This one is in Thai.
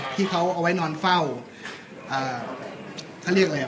ที่เขาเอาไว้นอนเฝ้าอ่าเขาเรียกอะไรอ่ะ